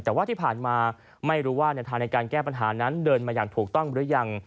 แต่ว่าที่ผ่านมาไม่รู้ว่าแนวทางในการแก้ปัญหานั้นเดินมาอย่างถูกต้องหรือยัง